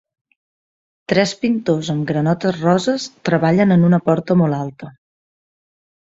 Tres pintors amb granotes roses treballen en una porta molt alta